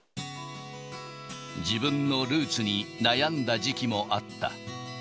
自分のルーツに悩んだ時期もあった。